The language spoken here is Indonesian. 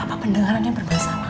apak pendengarannya bermasalah